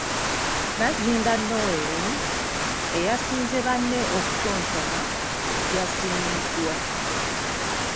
Nagginda Noeline eyasinze banne okutontoma yasiimiddwa.